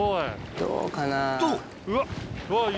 どうかな？と！